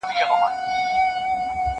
زه هره ورځ موسيقي اورم!